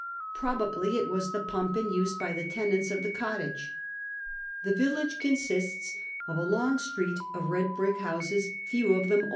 Probably it waa the pump in use by the tenants of ther cottage. The villa^ conaiste of a long street of red InticSc houses, few of them.